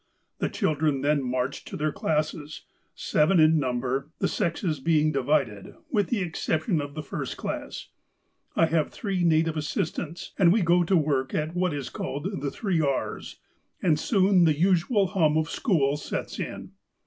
The children then marched to their classes, seven in number, the sexes being divided, with the exception of the first class. I have three native assistants, and we go to work at what is called the three R's, and soon the usual hum of school sets in.